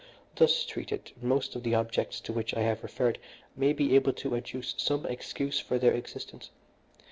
Thus treated, most of the objects to which I have referred may be able to adduce some excuse for their existence.